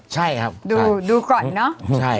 ใช่ครับดูก่อนเนอะ